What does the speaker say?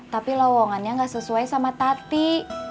tapi lowongannya gak sesuai sama tati